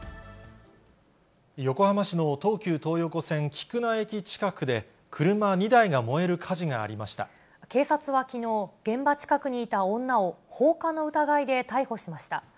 横浜市の東急東横線菊名駅近くで、警察はきのう、現場近くにいた女を放火の疑いで逮捕しました。